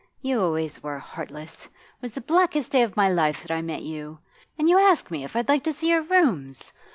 You always were heartless it was the blackest day of my life that I met you; and you ask me if I'd like to see your rooms!